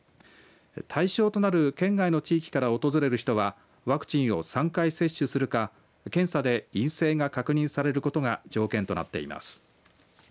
対象となる県外の地域から訪れる人はワクチンを３回接種するか検査で陰性が確認されることが条件となっています。